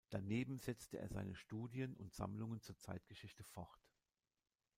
Daneben setzte er seine Studien und Sammlungen zur Zeitgeschichte fort.